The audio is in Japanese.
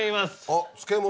あっ漬物？